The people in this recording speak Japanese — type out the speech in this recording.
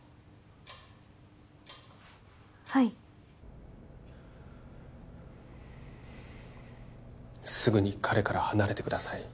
はいすぐに彼から離れてください